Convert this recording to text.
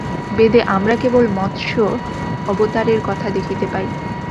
বেদে আমরা কেবল মৎস্য-অবতারের কথা দেখিতে পাই।